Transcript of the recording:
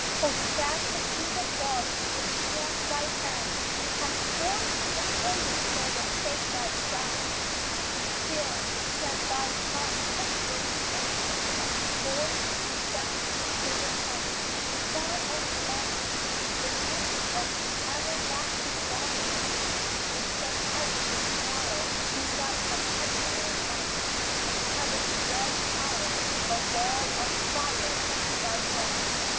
Hold fast the truth of God with strong right hand, Cast forth the traitors that would "take thy crown." Still send thy sons, as Mercy's angels, forth To sound in silver tones, to far off lands, The trumpet of the everlasting gospel; So shall Heaven's smile be thy perpetual light, And Heaven's dread power, "a wall of fire," thy guard.